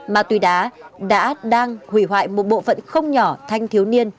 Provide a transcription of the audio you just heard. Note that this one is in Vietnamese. mạ tí đá đã đang hủy hoại một bộ phận không nhỏ thanh thiếu niên